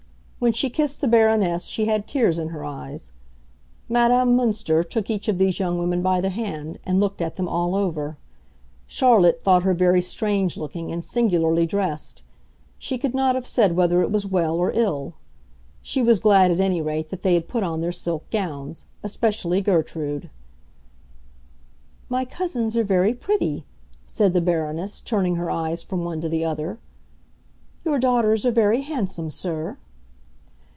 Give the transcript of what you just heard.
When she kissed the Baroness she had tears in her eyes. Madame Münster took each of these young women by the hand, and looked at them all over. Charlotte thought her very strange looking and singularly dressed; she could not have said whether it was well or ill. She was glad, at any rate, that they had put on their silk gowns—especially Gertrude. "My cousins are very pretty," said the Baroness, turning her eyes from one to the other. "Your daughters are very handsome, sir."